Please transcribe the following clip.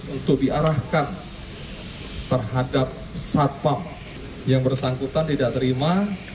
untuk diarahkan terhadap satpam yang bersangkutan tidak terima